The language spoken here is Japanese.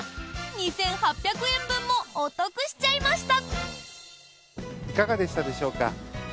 ２８００円分もお得しちゃいました。